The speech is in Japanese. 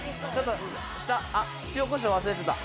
あっ、塩こしょう忘れてた。